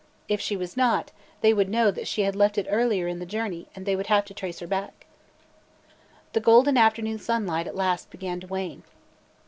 If she was not, they would know that she had left it earlier in the journey and they would have to trace her back. The golden afternoon sunlight at last began to wane.